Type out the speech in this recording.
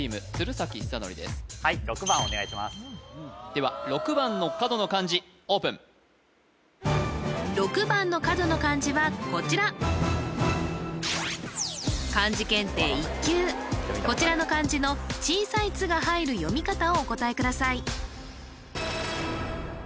では６番の角の漢字オープン６番の角の漢字はこちらこちらの漢字の小さい「つ」が入る読み方をお答えください